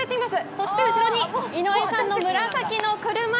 そして後ろに井上さんの紫の車。